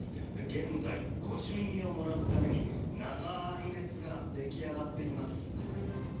現在、御朱印をもらうために長い列が出来上がっています。